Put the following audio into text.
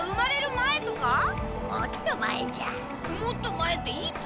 もっと前っていつ？